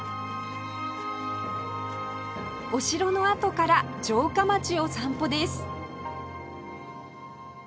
お城の跡から城下町を散歩です